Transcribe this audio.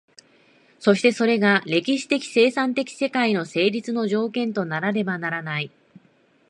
そしてそれが歴史的生産的世界の成立の条件とならねばならない。